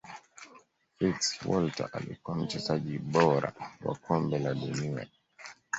fritz walter alikuwa mchezaji bora wa kombe la dunia